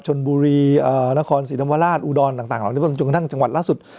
ชนบุรีเอ่อนครศรีธรรมราชอูดรต่างหลังจากจังหวัดล่าสุด